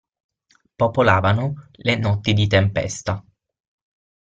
Popolavano le notti di tempesta.